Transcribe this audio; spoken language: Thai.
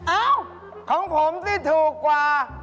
เอ้าของผมที่ถูกกว่า